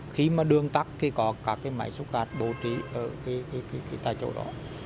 khi mà đường tắt thì có các cái máy xúc gạt bổ trí ở cái tại chỗ đó